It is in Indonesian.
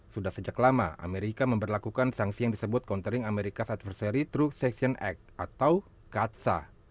sudah sejak lama amerika memperlakukan sangsi yang disebut countering america's adversary through cession act atau caatsa